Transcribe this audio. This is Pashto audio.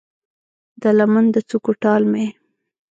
د لمن د څوکو ټال مې